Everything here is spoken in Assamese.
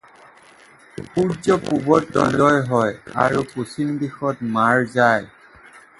এইবোৰৰ মাজত উল্লেখযোগ্য আছিল।